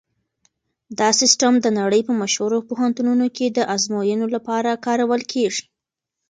دا سیسټم د نړۍ په مشهورو پوهنتونونو کې د ازموینو لپاره کارول کیږي.